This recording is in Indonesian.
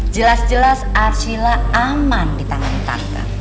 jelas jelas arsylah aman di tangan tante